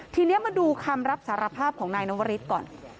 ทีนี้มาดูคำรับสารภาพของนายนวริสก่อน